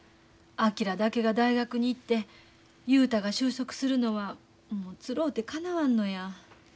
昭だけが大学に行って雄太が就職するのはもうつろうてかなわんのや。